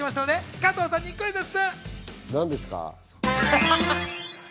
加藤さんにクイズッス。